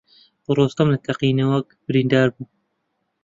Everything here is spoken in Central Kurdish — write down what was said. ڕۆستەم لە تەقینەوەک بریندار بوو.